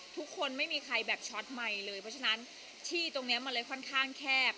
ไม่มีใครแบบช็อตไมค์เลยเพราะฉะนั้นที่ตรงนี้มันเลยค่อนข้างแคบ